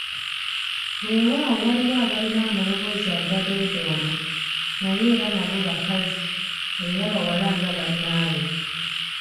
Weewaawo waliwo abalina amaloboozi agadoodooma naye era nabo bakazi era bawala nga bannaabwe.